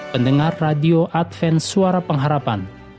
pendengar radio advent suara pengharapan